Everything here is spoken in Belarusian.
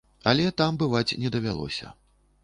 Але там бываць не давялося.